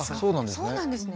そうなんですね。